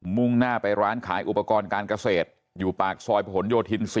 ่งหน้าไปร้านขายอุปกรณ์การเกษตรอยู่ปากซอยผนโยธิน๔